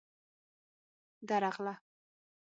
_درغله.